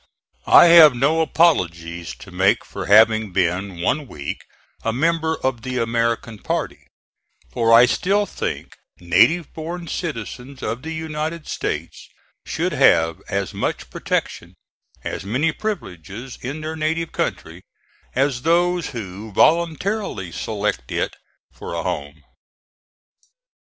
I have no apologies to make for having been one week a member of the American party; for I still think native born citizens of the United States should have as much protection, as many privileges in their native country, as those who voluntarily select it for a home.